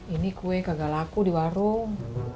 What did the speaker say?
ini kue kagak laku di warung